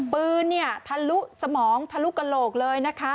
ปืนเนี่ยทะลุสมองทะลุกระโหลกเลยนะคะ